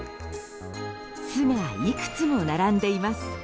巣がいくつも並んでいます。